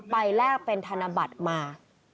แลกเป็นธนบัตรมา